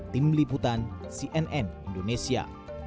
tim liputan cnn indonesia